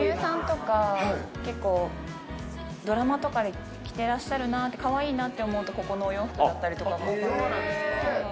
女優さんとか、ドラマとかで着てらっしゃるなって、かわいいなって思うと、ここのお洋服だったりとか。